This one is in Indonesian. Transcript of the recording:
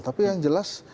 tapi yang jelas